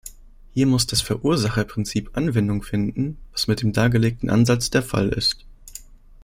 Hier muss das Verursacherprinzip Anwendung finden, was mit dem dargelegten Ansatz der Fall ist.